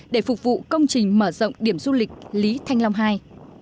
để phục vụ công trình mở rộng điểm du lịch lý thanh long hai